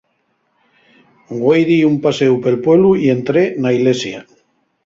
Güei di un paséu pel pueblu y entré na ilesia.